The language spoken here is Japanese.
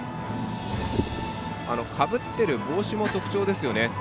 かぶっている帽子も特徴ですよね。